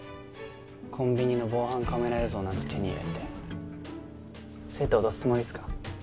コンビニの防犯カメラ映像なんて手に入れて生徒脅すつもりっすか？